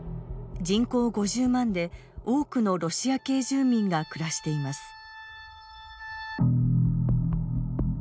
人口５０万で、多くのロシア系住民が暮らしています。